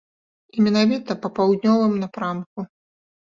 І менавіта па паўднёвым напрамку.